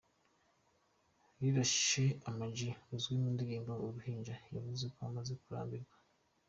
Rirashe Ama G uzwi mu ndirimbo "Uruhinja yavuze ko amaze kurambirwa.